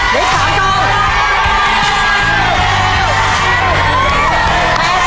เดี๋ยวอีก๓กล่อง